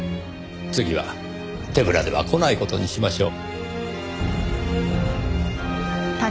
次は手ぶらでは来ない事にしましょう。